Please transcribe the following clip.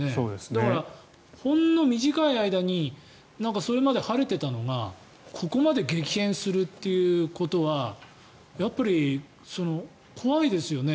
だから、ほんの短い間にそれまで晴れていたのがここまで激変するっていうことはやっぱり怖いですよね。